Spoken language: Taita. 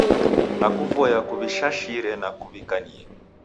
Dakuvoya kuw'ishashire na kuw'ikanie.